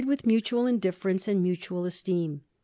thl mutual indifference and mutual esteem.